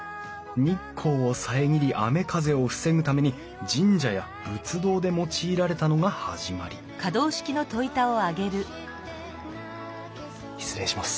日光を遮り雨風を防ぐために神社や仏堂で用いられたのが始まり失礼します。